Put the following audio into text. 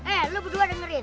eh lu berdua dengerin